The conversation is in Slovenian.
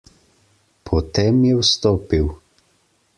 Potem je vstopil.